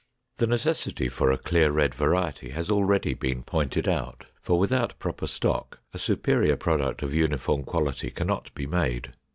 The necessity for a clear red variety has already been pointed out, for without proper stock, a superior product of uniform quality can not be made.